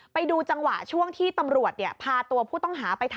เหมือนกับหมูแมวได้